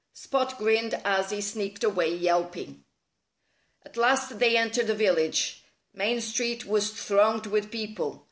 Spot grinned as he sneaked away, yelping. At last they entered the village. Main Street was thronged with people.